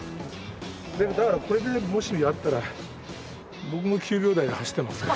だからこれでもしやったら僕も９秒台で走ってますよ。